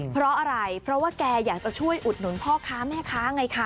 เพราะอะไรเพราะว่าแกอยากจะช่วยอุดหนุนพ่อค้าแม่ค้าไงคะ